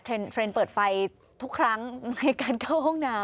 เทรนด์เปิดไฟทุกครั้งในการเข้าห้องน้ำ